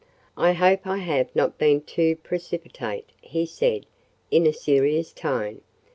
"I hope I have not been too precipitate," he said, in a serious tone.